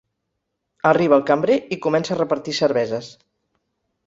Arriba el cambrer i comença a repartir cerveses.